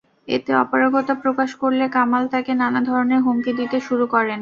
এতে অপারগতা প্রকাশ করলে কামাল তাঁকে নানা ধরনের হুমকি দিতে শুরু করেন।